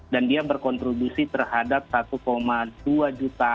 dan dia berkontribusi terhadap satu dua juta